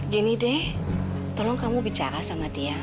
gini deh tolong kamu bicara sama dia